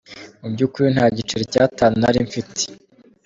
Mu by’ukuri nta n’igiceri cy’atanu nari mfite.